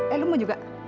eh lu mau juga